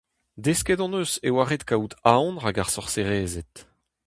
Desket hon eus e oa ret kaout aon rak ar sorserezed.